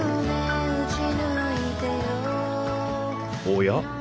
おや？